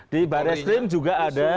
di baris krim juga ada